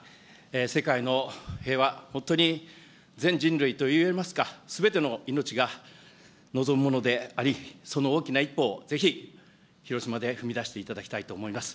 世界の平和、本当に全人類といえますか、すべての命が望むものであり、その大きな一歩をぜひ、広島で踏み出していただきたいと思います。